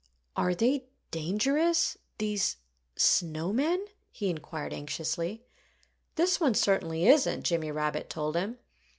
"Are they dangerous these snow men?" he inquired anxiously. "This one certainly isn't," Jimmy Rabbit told him.